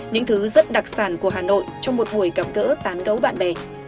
những thứ rất đặc sản của hà nội trong một buổi gặp gỡ tán gấu bạn bè